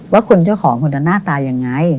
ว่าคุณเจ้าของคนน่าตายังไง